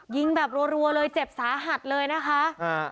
ยิงแบบรัวเลยเจ็บสาหัสเลยนะคะ